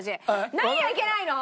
何がいけないの！？